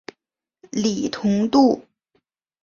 李同度。